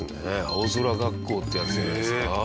青空学校ってやつじゃないですか？